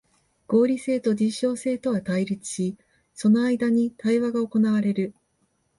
合理性と実証性とは対立し、その間に対話が行われる。